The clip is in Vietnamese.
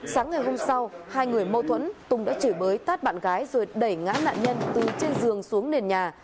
sáng ngày hôm sau hai người mâu thuẫn tùng đã chửi bới tát bạn gái rồi đẩy ngã nạn nhân từ trên giường xuống nền nhà